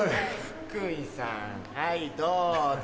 福井さんはいどうぞ。